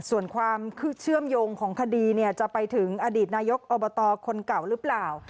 ส่วนความเชื่อมโยงของคดีจะไปถึงอดีตนายกอบตคนเก่าหรือเปล่า